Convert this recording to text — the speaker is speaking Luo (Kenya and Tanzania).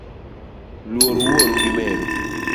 Luor wuoru gi meru